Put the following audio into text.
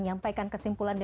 sampai jumpa lagi